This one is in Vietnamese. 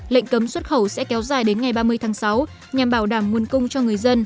lệnh cấm xuất khẩu sẽ kéo dài đến ngày ba mươi tháng sáu nhằm bảo đảm nguồn cung cho người dân